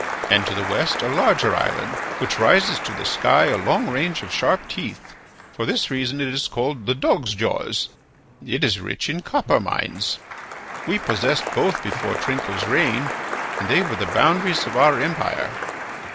And to the west a larger island which raises to the sky a long range of sharp teeth; for this reason it is called the Dog's Jaws. It is rich in copper mines. We possessed both before Trinco's reign and they were the boundaries of our empire.